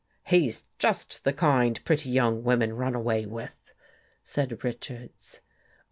" He's just the kind pretty young women run away with," said Richards.